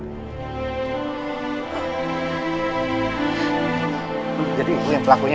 itu jadi hubungan pelakunya